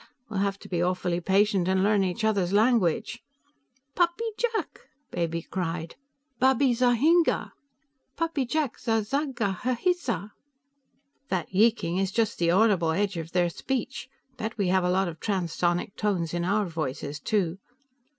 We'll have to be awfully patient, and learn each other's language." "Pa pee Jaaak!" Baby cried. "Ba bee za hinga; Pa pee Jaak za zag ga he izza!" "That yeeking is just the audible edge of their speech; bet we have a lot of transsonic tones in our voices, too."